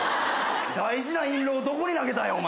大事な印籠をどこに投げたんやお前。